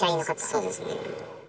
そうですね。